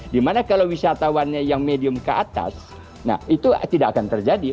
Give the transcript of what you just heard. dimana kalau wisatawannya yang medium ke atas nah itu tidak akan terjadi